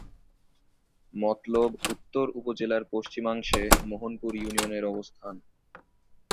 মতলব উত্তর উপজেলার পশ্চিমাংশে মোহনপুর ইউনিয়নের অবস্থান।